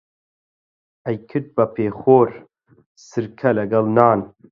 ئەیکرد بە پێخۆر سرکە لەگەڵ نان